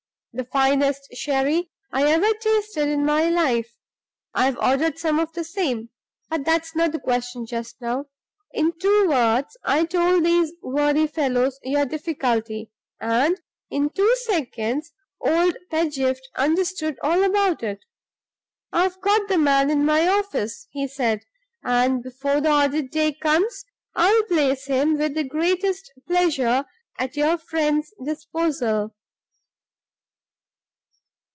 The finest sherry I ever tasted in my life; I've ordered some of the same but that's not the question just now. In two words I told these worthy fellows your difficulty, and in two seconds old Pedgift understood all about it. 'I have got the man in my office,' he said, 'and before the audit day comes, I'll place him with the greatest pleasure at your friend's disposal.